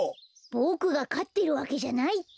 ボクがかってるわけじゃないってば。